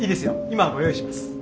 今ご用意します。